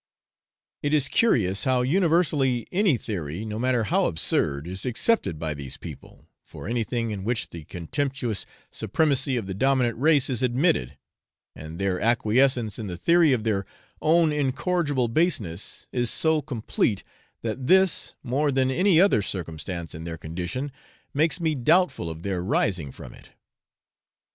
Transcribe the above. It is curious how universally any theory, no matter how absurd, is accepted by these people, for anything in which the contemptuous supremacy of the dominant race is admitted, and their acquiescence in the theory of their own incorrigible baseness is so complete, that this, more than any other circumstance in their condition, makes me doubtful of their rising from it.